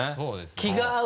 気が合う？